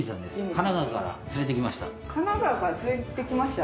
神奈川から連れてきました。